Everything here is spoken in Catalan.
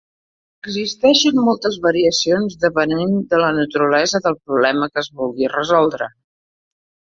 Existeixen moltes variacions depenent de la naturalesa del problema que es vulgui resoldre.